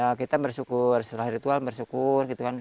ya kita bersyukur setelah ritual bersyukur gitu kan